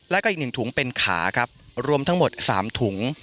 แล้วก็อีก๑ถุงเป็นขาครับรวมทั้งหมด๓ถุง